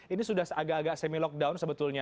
ini sudah agak agak semi lockdown sebetulnya